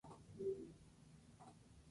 El papa les pidió ser sencillos y eficaces.